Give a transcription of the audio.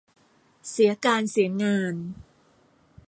เสียการเสียงาน